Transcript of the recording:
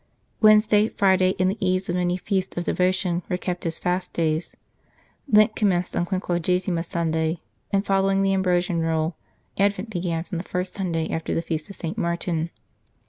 Wednesdays, Fridays and the eves of many feasts of devotion, were kept as fast days. Lent commenced on Quinquagesima Sunday, and, fol lowing the Ambrosian rule, Advent began from the first Sunday after the feast of St. Martin.